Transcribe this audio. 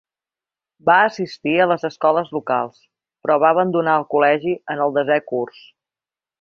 Va assistir a les escoles locals, però va abandonar el col·legi en el desè curs.